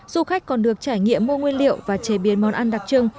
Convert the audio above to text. du khách còn được trải nghiệm mua nguyên liệu và chế biến món ăn đặc trưng